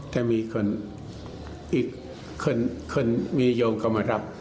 แต่มีคนอีกคนมีโยมก็มารับ